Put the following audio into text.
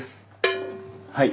はい。